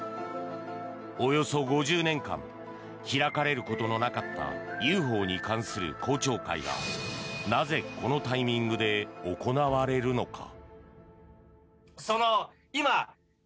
およそ５０年間開かれることのなかったＵＦＯに関する公聴会がなぜ、このタイミングで行われるのか。